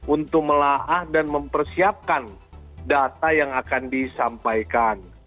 untuk melahah dan mempersiapkan data yang akan disampaikan